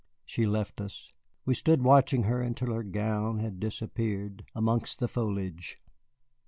She left us. We stood watching her until her gown had disappeared amongst the foliage.